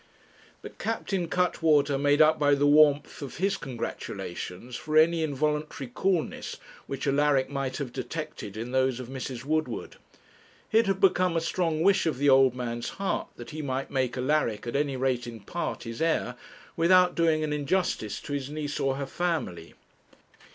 But Captain Cuttwater made up by the warmth of his congratulations for any involuntary coolness which Alaric might have detected in those of Mrs. Woodward. It had become a strong wish of the old man's heart that he might make Alaric, at any rate in part, his heir, without doing an injustice to his niece or her family.